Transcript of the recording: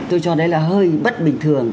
tôi cho đấy là hơi bất bình thường